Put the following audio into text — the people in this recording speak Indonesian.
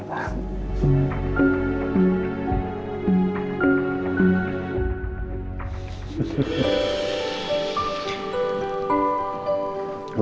ya sejauh ini saya yakin pa